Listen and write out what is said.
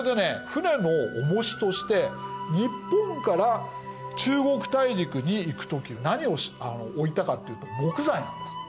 船の重しとして日本から中国大陸に行く時何を置いたかっていうと木材なんです。